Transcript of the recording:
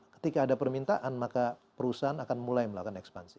ketika ada permintaan maka perusahaan akan mulai melakukan ekspansi